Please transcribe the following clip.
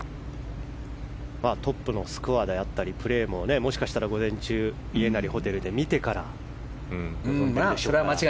トップのスコアであったりプレーももしかしたら午前中家なりホテルで見てから。